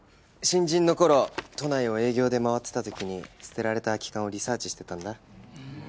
新人の頃都内を営業で回ってた時に捨てられた空き缶をリサーチしてたんだ。